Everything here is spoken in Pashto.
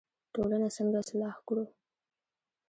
ټولنه څنګه اصلاح کړو؟